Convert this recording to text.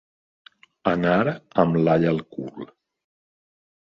Anar amb l'all al cul.